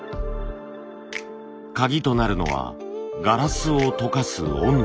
カギとなるのはガラスを溶かす温度。